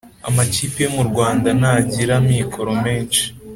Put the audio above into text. Amakipe yo murwanda ntagira amikoro menshi